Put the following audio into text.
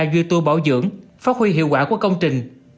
duy tu bảo dưỡng phát huy hiệu quả của công trình